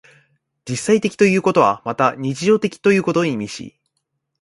実際的ということはまた日常的ということを意味し、